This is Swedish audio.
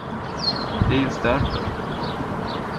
Det är just därför.